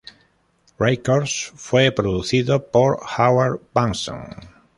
Records y fue producido por Howard Benson.